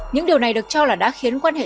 những điều này được cho là đã khiến quan hệ